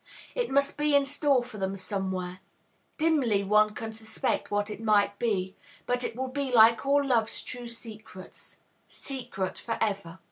It must be in store for them somewhere. Dimly one can suspect what it might be; but it will be like all Love's true secrets, secret for ever.